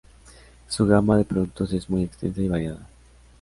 Su gama de productos es muy extensa y variada.